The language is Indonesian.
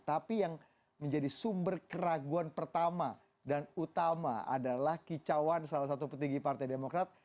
tapi yang menjadi sumber keraguan pertama dan utama adalah kicauan salah satu petinggi partai demokrat